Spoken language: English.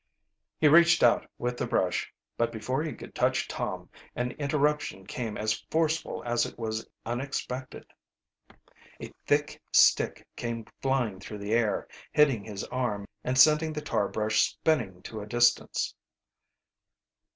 He reached out with the brush, but before he could touch Tom an interruption came as forceful as it was unexpected. A thick stick came flying through the air, hitting his arm and sending the tar brush spinning to a distance.